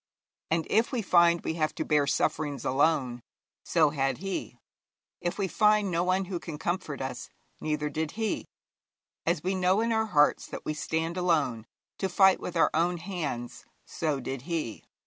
And if we find we have to bear sufferings alone, so had he; if we find no one who can comfort us, neither did he; as we know in our hearts that we stand alone, to fight with our own hands, so did he.